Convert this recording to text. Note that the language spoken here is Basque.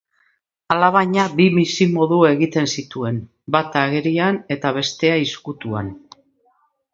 Alabaina, bi bizimodu egiten zituen, bata agerian eta beste ezkutuan.